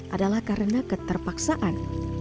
adalah karena keterpaksaan